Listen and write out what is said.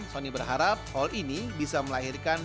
sony berharap hal ini bisa melahirkan